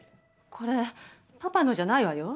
これパパのじゃないわよ。